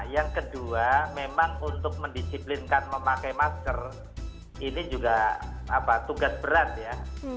yang kedua memang untuk mendisiplinkan memakai masker ini juga tugas berat ya